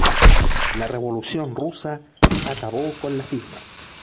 La Revolución rusa acabó con la firma.